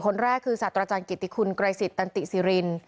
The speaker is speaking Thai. ๔คนแรกคือสาธารจันทร์กิติคุณกรายสิทธิ์ตันติสิริน